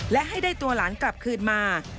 และให้ได้ตัวหลานกลับคืนมา